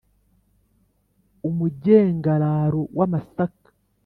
Umugengararo w'amasaka.